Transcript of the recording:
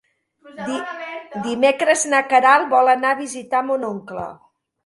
Dimecres na Queralt vol anar a visitar mon oncle.